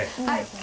はい。